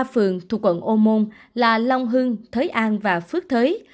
ba phường thuộc quận ô môn là long hưng thới an và phước thới